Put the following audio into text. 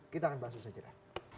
kita akan bahas itu saja